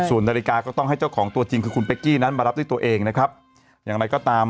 ส่วนนารกาต้องให้จ้าของตัวจริงคือพี่นะคะรับได้ตัวเองยังไงก็ตาม